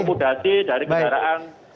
dan akupodasi dari kendaraan